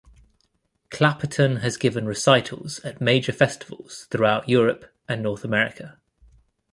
Clapperton has given recitals at major festivals throughout Europe and in North America.